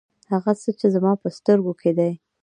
هغه څه چې زما په سترګو کې دي.